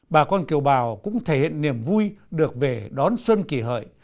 bà con kiều bào cũng thể hiện niềm vui được về đón xuân kỳ hợi